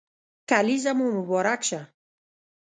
کلېزه مو مبارک شه